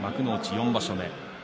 ４場所目。